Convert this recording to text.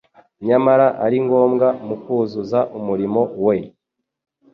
nyamara ari ngombwa mu kuzuza umurimo we